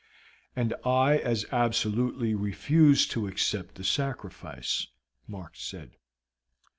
"And I as absolutely refuse to accept the sacrifice," Mark said.